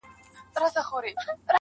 سترگي ډېوې زلفې انگار دلته به اوسېږم زه,